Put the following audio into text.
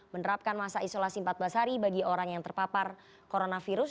menerapkan masa isolasi empat belas hari bagi orang yang terpapar coronavirus